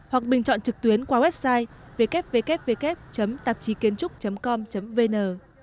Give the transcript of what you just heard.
hoặc bình chọn trực tuyến qua website www tạpchikienchuc com vn